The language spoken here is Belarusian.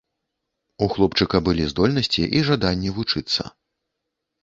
У хлопчыка былі здольнасці і жаданне вучыцца.